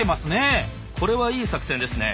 これはいい作戦ですね。